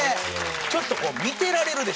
ちょっとこう見てられるでしょ。